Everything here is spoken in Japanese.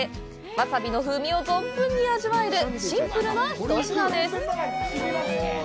わさびの風味を存分に味わえるシンプルな一品です。